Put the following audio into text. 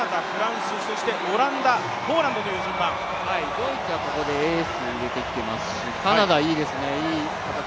ドイツはここでエースを入れてきていますしカナダ、いいですね。